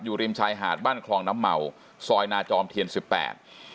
ริมชายหาดบ้านคลองน้ำเมาซอยนาจอมเทียนสิบแปด